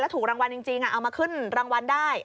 ถูกรางวัลจริงเอามาขึ้นรางวัลได้